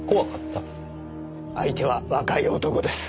相手は若い男です。